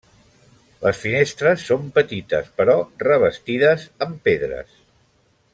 Les finestres són petites però revestides amb pedres.